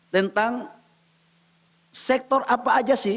tentang sektor apa aja sih